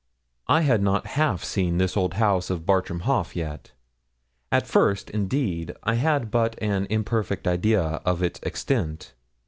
I had not half seen this old house of Bartram Haugh yet. At first, indeed, I had but an imperfect idea of its extent.